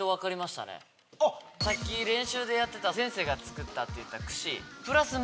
さっき練習でやってた先生が作ったって言ってた。